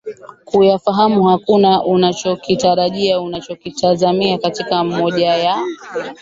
kuyafahamu Hakuna unachokitarajia unachokitazamia katika moja ya